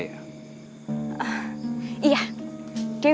iya tapi jangan dipegang